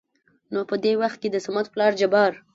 نو په د وخت کې دصمد پلار جبار